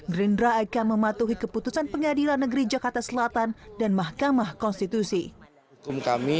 gerindra akan mematuhi keputusan pengadilan negeri jakarta selatan dan mahkamah konstitusi